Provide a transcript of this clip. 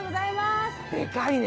でかいね。